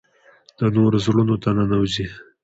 د نورو زړونو ته ننوځي .